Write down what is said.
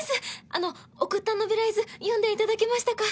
あの送ったノベライズ読んで頂けましたか？